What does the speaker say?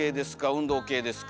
運動系ですか？